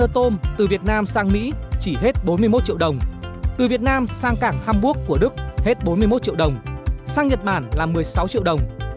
từ việt nam sang cảng hamburg của đức hết bốn mươi một triệu đồng sang nhật bản là một mươi sáu triệu đồng